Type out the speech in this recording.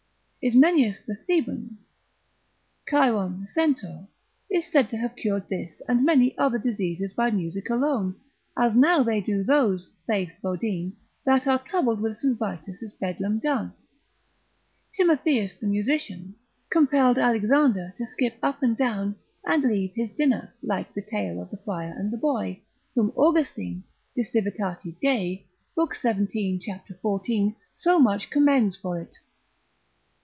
Ismenias the Theban, Chiron the centaur, is said to have cured this and many other diseases by music alone: as now they do those, saith Bodine, that are troubled with St. Vitus's Bedlam dance. Timotheus, the musician, compelled Alexander to skip up and down, and leave his dinner (like the tale of the Friar and the Boy), whom Austin, de civ. Dei, lib. 17. cap. 14. so much commends for it.